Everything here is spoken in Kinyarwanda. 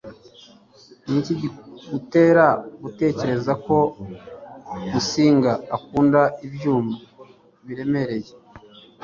Niki kigutera gutekereza ko Musinga akunda ibyuma biremereye?